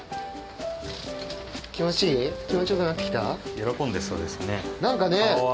喜んでそうですね顔は。